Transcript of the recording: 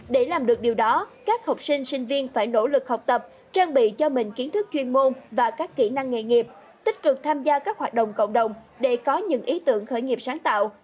để làm được điều đó các học sinh sinh viên phải nỗ lực học tập trang bị cho mình kiến thức chuyên môn và các kỹ năng nghề nghiệp tích cực tham gia các hoạt động cộng đồng để có những ý tưởng khởi nghiệp sáng tạo